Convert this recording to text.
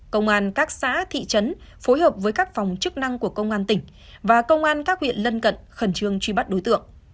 công an các xã thị trấn phối hợp với các phòng chức năng của công an tỉnh và công an các huyện lân cận khẩn trương truy bắt đối tượng